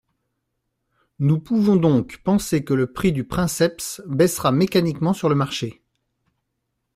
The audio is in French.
Nous pouvons donc penser que le prix du princeps baissera mécaniquement sur le marché.